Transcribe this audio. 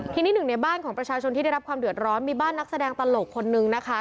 ทีนี้หนึ่งในบ้านของประชาชนที่ได้รับความเดือดร้อนมีบ้านนักแสดงตลกคนนึงนะคะ